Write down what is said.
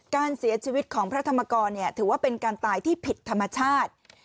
การเสียชีวิตของพระธรรมกรถือว่าเป็นการตายที่ผิดธรรมชาติ